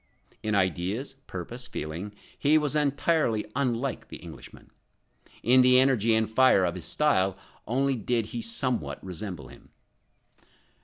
In ideas, purpose, feeling, he was entirely unlike the Englishman; in the energy and fire of his style only did he somewhat resemble him.